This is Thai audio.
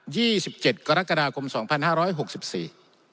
สิบเจ็ดกรกฎาคมสองพันห้าร้อยหกสิบสี่